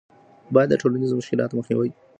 باید د ټولنیزو مشکلاتو مخنیوی وسي.